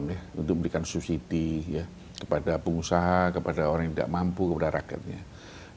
mereka menggunakan subsidi kepada pengusaha kepada orang yang tidak mampu kepada rakyat